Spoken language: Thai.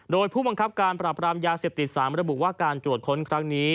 โดยผู้บังคับการปราบรามยาเสพติด๓ระบุว่าการตรวจค้นครั้งนี้